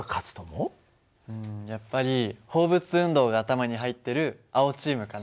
うんやっぱり放物運動が頭に入ってる青チームかな。